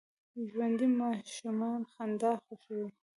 ژوندي د ماشومانو خندا خوښوي